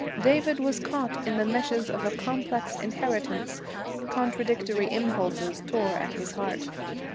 David was caught in the meshes of a complex inheritance; contradictory impulses tore at his heart.